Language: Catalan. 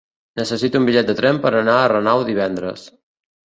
Necessito un bitllet de tren per anar a Renau divendres.